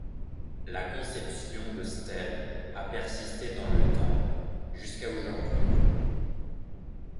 La conception de stèles a persisté dans le temps, jusqu’à aujourd'hui.